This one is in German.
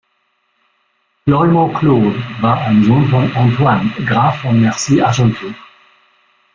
Florimond Claude war ein Sohn von Antoine, Graf von Mercy-Argenteau.